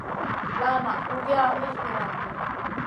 La na pugiya may irandi.